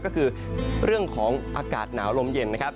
ก็คือเรื่องของอากาศหนาวลมเย็นนะครับ